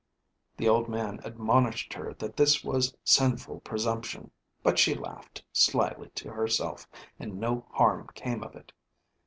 The old man admonished her that this was sinful presumption, but she laughed slyly to herself, and no harm came of it.